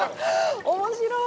面白い！